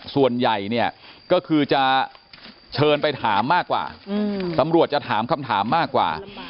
ส่วนใหญ่เนี่ยก็คือจะเชิญไปถามมากกว่าตำรวจจะถามคำถามมากกว่า